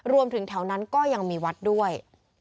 รวมถึงแถวนั้นก็ยังมีวัดด้วย